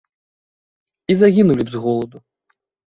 І загінулі б з голаду.